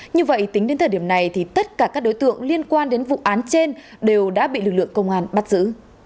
như vậy tính đến thời điểm này tất cả các đối tượng liên quan đến vụ án trên đều đã bị lực lượng công an bắt giữ